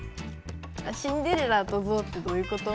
シンデレラとゾウってどういうこと？